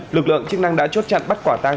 lực lượng chức năng đã chốt chặn bắt quả tang